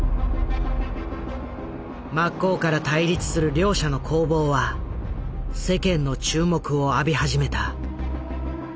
真っ向から対立する両者の攻防は世間の注目を浴び始めた。